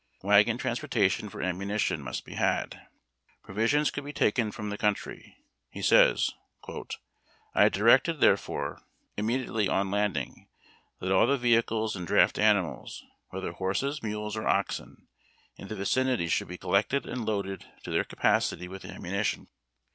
Wagon transportation for ammunition must be liad. Provisions could be taken from the country. He says: "I directed, therefore, immediately on landing, that all the vehi cles and draft animals, whether horses, mules, or oxen, in the vicinity should be collected and loaded to their capacit}' with ammunition.